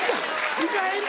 行かへんって！